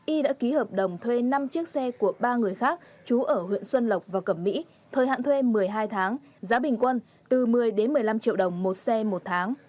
y đã ký hợp đồng thuê năm chiếc xe của ba người khác trú ở huyện xuân lộc và cẩm mỹ thời hạn thuê một mươi hai tháng giá bình quân từ một mươi một mươi năm triệu đồng một xe một tháng